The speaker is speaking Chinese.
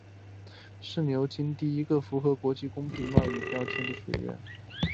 是牛津第一个符合国际公平贸易标签组织要求的学院。